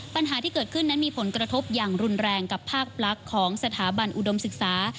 ปัญหาที่เกิดขึ้นนั้นมีผลกระทบอย่างรุนแรงกับภาคลักษณ์ของสถาบันอุดมศึกษา